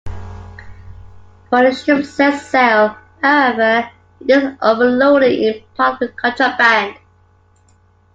When the ship sets sail, however, it is overloaded - in part with contraband.